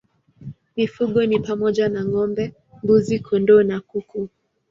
Mifugo ni pamoja na ng'ombe, mbuzi, kondoo na kuku.